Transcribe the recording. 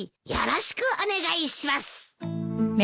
よろしくお願いします。